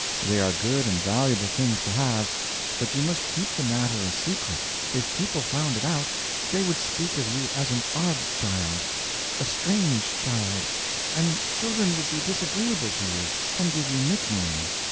They are good and valuable things to have, but you must keep the matter a secret. If people found it out, they would speak of you as an odd child, a strange child, and children would be disagreeable to you, and give you nicknames.